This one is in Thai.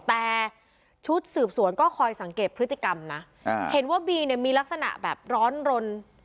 แต่ชุดสืบสวนก็คอยสังเกตพฤติกรรมนะเห็นว่าบีเนี่ยมีลักษณะแบบร้อนรน